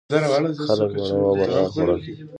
خلک مړه وو او مرغانو خوړل.